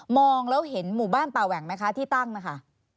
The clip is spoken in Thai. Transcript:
องแล้วเห็นหมู่บ้านป่าแหว่งไหมคะที่ตั้งนะคะ